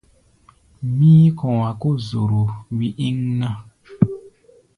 Mí̧í̧-kɔ̧a̧ kó zoro wí íŋ ná.